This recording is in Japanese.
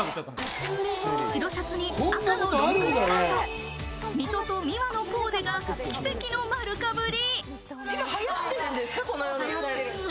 白シャツに赤のロングスカート、ｍｉｔｏとｍｉｗａのコーデが奇跡の丸かぶり！